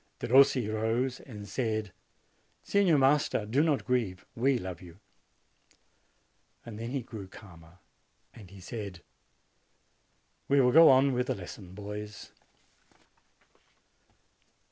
Derossi rose and said, "Signor Master, do not grieve. We love you." Then he grew calmer, and said, "We will go on with the lesson, boys."